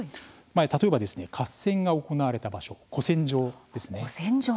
例えば合戦が行われた場所、古戦場ですね。